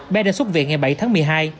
bé đã xuất viện ngày bảy tháng một mươi hai